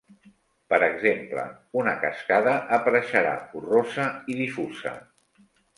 Per exemple, una cascada apareixerà borrosa i difusa.